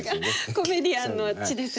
コメディアンの血ですね。